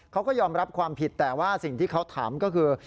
เขาก็ยอมรับความผิดแต่ว่าสิ่งที่เขาถามก็คือ